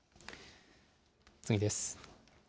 次です。